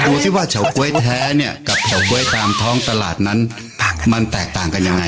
ดูสิว่าเฉาก๊วยแท้เนี่ยกับเฉาก๊วยตามท้องตลาดนั้นมันแตกต่างกันยังไง